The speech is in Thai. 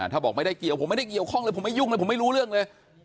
ถ้าบอกไม่ได้เกี่ยวผมไม่ได้เกี่ยวข้องเลยผมไม่ยุ่งเลยผมไม่รู้เรื่องเลย